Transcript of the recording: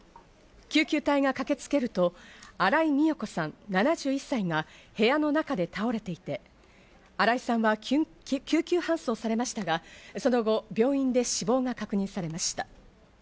救急隊が駆けつけると、新井美代子さん７１歳が部屋の中で倒れていて、新井さんは救急搬送されましたが、その後、病院で死亡が確認されました。